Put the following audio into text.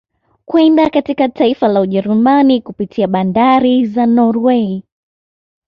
Kwenda katika taifa la Ujerumani kupitia bandari za Norway